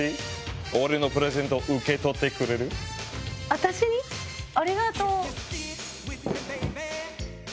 私に⁉ありがとう！